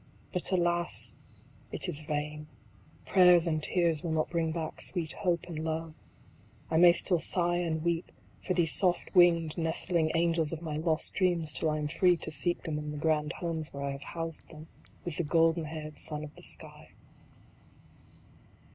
But, alas ! it is vain. Prayers and tears will not bring back sweet hope and love. I may still sigh and weep for these soft winged nestling A FRAGMENT. 101 angels of my lost dreams till I am free to seek them in the grand homes where I have housed them with the golden haired son of the sky.